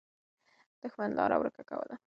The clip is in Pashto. دښمن لاره ورکه کوله.